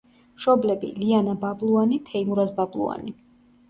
მშობლები: ლიანა ბაბლუანი, თეიმურაზ ბაბლუანი.